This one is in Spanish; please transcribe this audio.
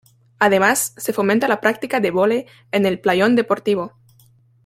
Además, se fomenta la práctica de vóley en el playón deportivo.